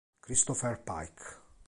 Christopher Pike